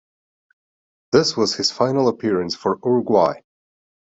This was his final appearance for Uruguay.